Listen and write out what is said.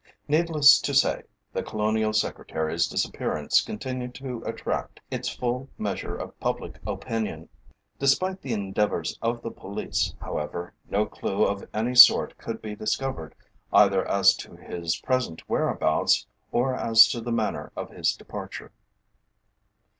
Needless to say, the Colonial Secretary's disappearance continued to attract its full measure of public attention. Despite the endeavours of the police, however, no clue of any sort could be discovered, either as to his present whereabouts, or as to the manner of his departure.